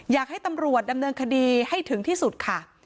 อยากให้ตำรวจดำเนินคดีให้ถึงที่สุดค่ะ